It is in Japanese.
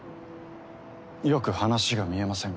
よく話が見えませんが。